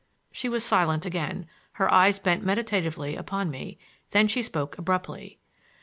She was silent again, her eyes bent meditatively upon me; then she spoke abruptly.